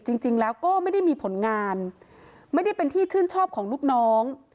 จริงแล้วก็ไม่ได้มีผลงานไม่ได้เป็นที่ชื่นชอบของลูกน้อง